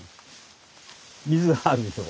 水があるでしょう。